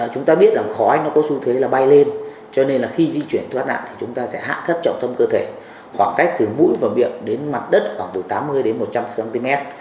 chúng ta biết rằng khói nó có xu thế là bay lên cho nên là khi di chuyển thoát nạn thì chúng ta sẽ hạ thấp trọng tâm cơ thể khoảng cách từ mũi và miệng đến mặt đất khoảng từ tám mươi đến một trăm linh cm